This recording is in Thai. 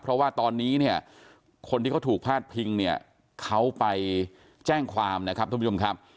เพราะว่าตอนนี้เนี่ยคนที่เขาถูกพาดพิงเนี่ยเขาไปแจ้งความนะครับทุกผู้ชมครับ